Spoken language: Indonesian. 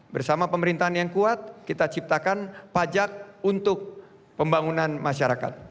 bersama pemerintahan yang kuat kita ciptakan pajak untuk pembangunan masyarakat